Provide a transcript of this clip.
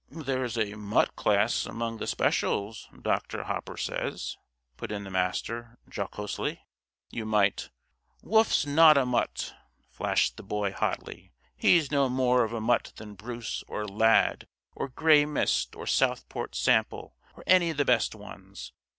"There's a 'mutt' class among the specials, Dr. Hopper says," put in the Master, jocosely. "You might " "Wolf's not a mutt!" flashed the Boy, hotly. "He's no more of a mutt than Bruce or Lad, or Grey Mist, or Southport Sample, or any of the best ones.